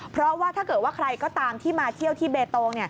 เพราะว่าถ้าเกิดว่าใครก็ตามที่มาเที่ยวที่เบตง